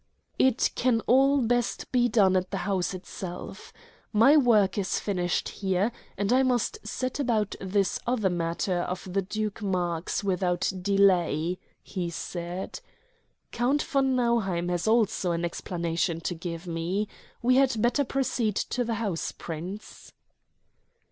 "It can all best be done at the house itself. My work is finished here, and I must set about this other matter of the Duke Marx without delay," he said. "Count von Nauheim has also an explanation to give me. We had better proceed to the house, Prince."